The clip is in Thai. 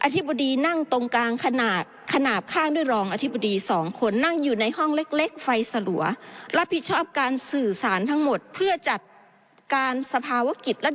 อธิบดีนั่งตรงกลางขนาดข้างด้วยรองอธิบดี๒คนนั่งอยู่ในห้องเล็กไฟสลัว